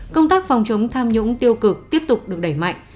công tác phòng chống tham nhũng tiêu cực tiếp tục được đẩy mạnh